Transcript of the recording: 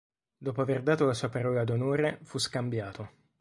Dopo aver dato la sua parola d'onore fu scambiato.